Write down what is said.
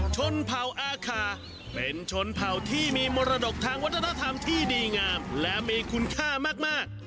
ชนเผ่าอาคาเป็นชนเผ่าที่มีมรดกทางวัฒนธรรมที่ดีงามและมีคุณค่ามาก